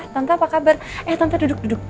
tante apa kabar eh tante duduk duduk